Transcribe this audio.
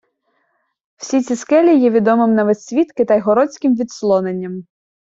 Всі ці скелі є відомим на весь світ Китайгородським відслоненням.